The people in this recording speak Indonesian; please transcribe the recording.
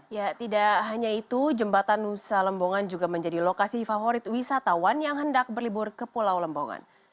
ya tidak hanya itu jembatan nusa lembongan juga menjadi lokasi favorit wisatawan yang hendak berlibur ke pulau lembongan